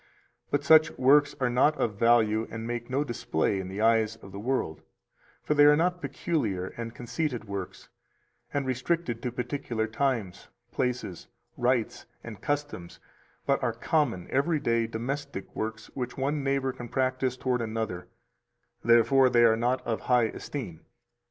But such works are not of value and make no display in the eyes of the world; for they are not peculiar and conceited works, and restricted to particular times, places, rites, and customs, but are common, every day domestic works which one neighbor can practise toward another; therefore they are not of high esteem.